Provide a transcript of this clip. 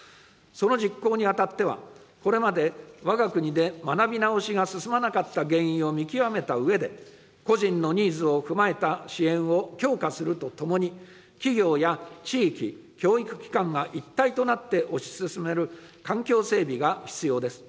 その実行にあたっては、これまでわが国で学び直しが進まなかった原因を見極めたうえで、個人のニーズを踏まえた支援を強化するとともに、企業や地域、教育機関が一体となって推し進める環境整備が必要です。